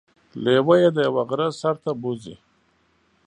لیوه يې د یوه غره سر ته بوځي.